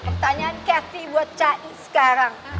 pertanyaan kevi buat cai sekarang